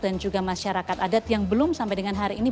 dan juga masyarakat adat yang belum sampai dengan hari ini